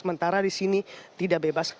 sementara di sini tidak bebas